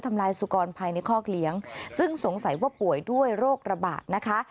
ลายสุกรภายในคอกเลี้ยงซึ่งสงสัยว่าป่วยด้วยโรคระบาดนะคะ